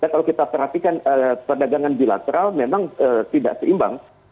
kalau kita perhatikan perdagangan bilateral memang tidak seimbang